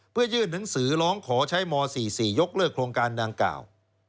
เพื่อยื่นหนังสือร้องขอใช้ม๔๔ยกเลิกโครงการดังกล่าว